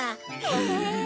へえ！